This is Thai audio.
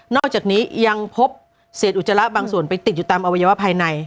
อกจากนี้ยังพบเศษอุจจาระบางส่วนไปติดอยู่ตามอวัยวะภายใน